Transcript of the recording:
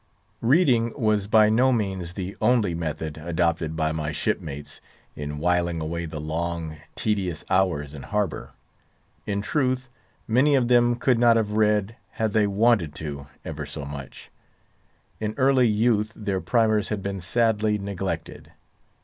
Reading was by no means the only method adopted by my shipmates in whiling away the long, tedious hours in harbour. In truth, many of them could not have read, had they wanted to ever so much; in early youth their primers had been sadly neglected.